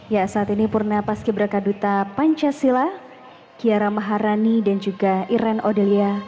ya saat ini purnapaski braka duta pancasila kiara maharani dan juga iren odelia